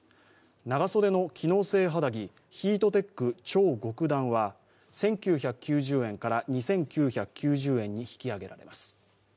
長袖の機能性肌着ヒートテック超極暖は１９９０円から２９９０円に引き上げられます。